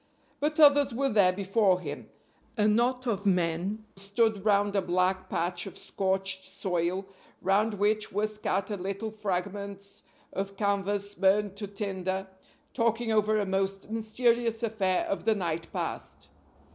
But others were there before him. A knot of men stood round a black patch of scorched soil, round which were scattered little fragments of canvas burned to tinder, talking over a most mysterious affair of the night past.